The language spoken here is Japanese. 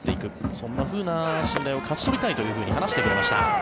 そんなふうな信頼を勝ち取りたいと話してくれました。